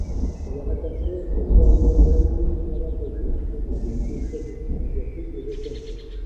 Elle est rattachée au beylerbeylik d'Anatolie qui comprend toutes les possessions asiatiques des Ottomans.